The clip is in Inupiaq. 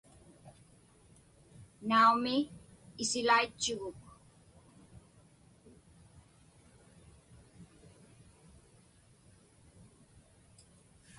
Naumi, isilaitchuguk.